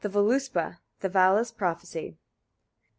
VÖLUSPÂ. THE VALA'S PROPHECY.